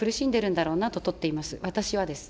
私はです。